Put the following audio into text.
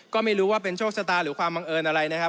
ก็ไม่รู้ว่าเป็นโชคชะตาหรือความบังเอิญอะไรนะครับ